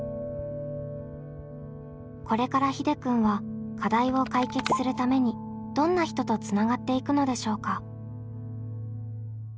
これからひでくんは課題を解決するためにどんな人とつながっていくのでしょうか？